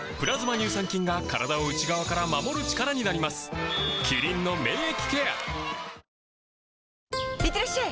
乳酸菌が体を内側から守る力になりますいってらっしゃい！